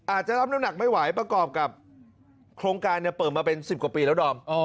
อาจจะรับน้ำหนักไม่ไหวประกอบกับโครงการเปิดมาเป็น๑๐กว่าปีแล้วดอม